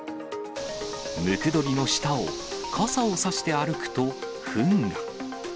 ムクドリの下を傘を差して歩くと、ふんが。